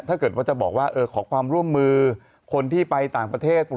ถ้าเกิดว่าจะบอกว่าขอความร่วมมือคนที่ไปต่างประเทศ